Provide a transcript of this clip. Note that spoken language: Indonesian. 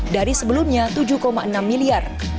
dari sebelumnya tujuh enam miliar